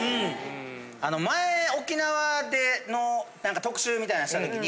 前沖縄の特集みたいなんした時に。